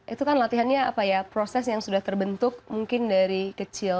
itu kan latihannya apa ya proses yang sudah terbentuk mungkin dari kecil